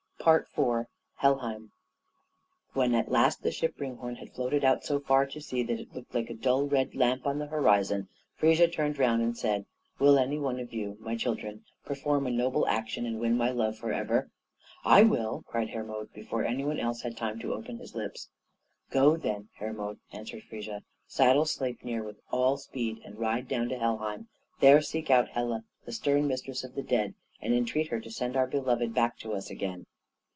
IV HELHEIM When at last the ship Ringhorn had floated out so far to sea that it looked like a dull red lamp on the horizon, Frigga turned round and said, "Will any one of you, my children, perform a noble action and win my love forever?" "I will," cried Hermod, before any one else had time to open his lips. "Go, then, Hermod," answered Frigga, "saddle Sleipnir with all speed and ride down to Helheim; there seek out Hela, the stern mistress of the dead, and entreat her to send our beloved back to us again."